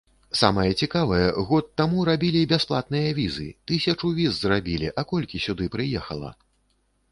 Самае цікавае, год таму рабілі бясплатныя візы, тысячу віз зрабілі, а колькі сюды прыехала?